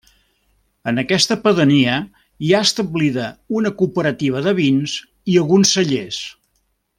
En aquesta pedania hi ha establida una cooperativa de vins i alguns cellers.